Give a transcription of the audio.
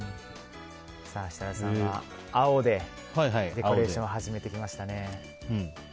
設楽さんは青でデコレーションを始めていきましたね。